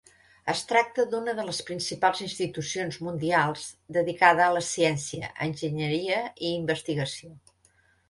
Es tracta d'una de les principals institucions mundials dedicada a la ciència, enginyeria i investigació.